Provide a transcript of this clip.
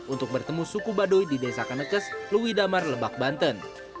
untuk bertemu suku baduy di desa kanekes lewi damar lebak banten